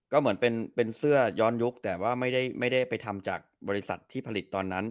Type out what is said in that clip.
ก็เหมือนเป็นเสื้อย้อนยุคแต่ว่าไม่ได้ไปทำจากบริษัทที่ผลิตตอนนั้น